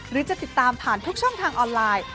หรือจะติดตามผ่านทุกช่องทางออนไลน์